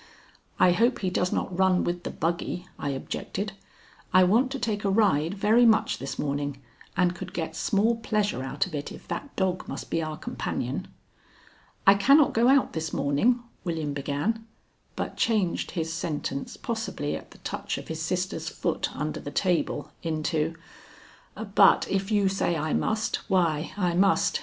"I hope he does not run with the buggy," I objected. "I want to take a ride very much this morning and could get small pleasure out of it if that dog must be our companion." "I cannot go out this morning," William began, but changed his sentence, possibly at the touch of his sister's foot under the table, into: "But if you say I must, why, I must.